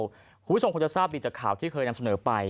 คุณผู้ชมคงจะทราบดีจากข่าวที่เคยนำเสนอไป